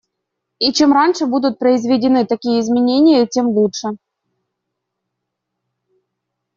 И чем раньше будут произведены такие изменения, тем лучше.